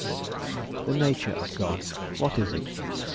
The Nature of God, what is it?